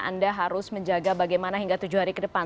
anda harus menjaga bagaimana hingga tujuh hari ke depan